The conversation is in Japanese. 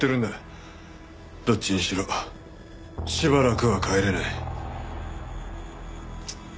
どっちにしろしばらくは帰れない。